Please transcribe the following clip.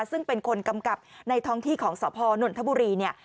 ซึ่งเป็นคนกำกับในท้องที่ของสพนนทบุรีเนี่ย